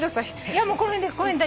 いやもうこの辺で。